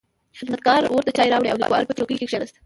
خدمتګار ورته چای راوړ او لیکوال په چوکۍ کې کښېناست.